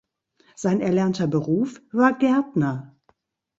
Sein erlernter Beruf war Gärtner.